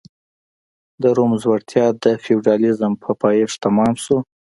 د روم ځوړتیا د فیوډالېزم په پایښت تمام شو.